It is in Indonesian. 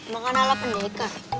makan ala pendekar